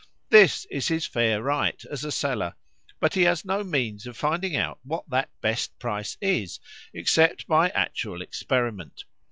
This is his fair right as a seller, but he has no means of finding out what that best price is except by actual experiment.